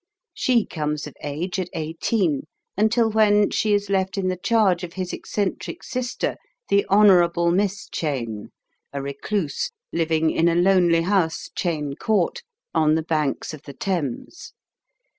She comes of age at 18, until when she is left in the charge of his eccentric sister, The Honourable Miss Cheyne, a recluse, living in a lonely house, Cheyne Court, on the banks of CHARACTERS y the Thames.